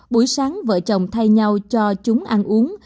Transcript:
buổi sáng vợ chồng thay nhau cho chúng ăn uống